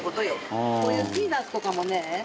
こういうピーナッツとかもね。